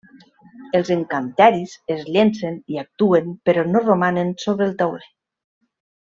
Els encanteris es llencen i actuen però no romanen sobre el tauler.